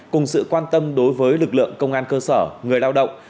cùng sự quan tâm đối với lực lượng công an cơ sở người lao động